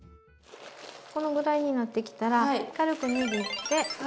このぐらいになってきたら軽く握ってふる。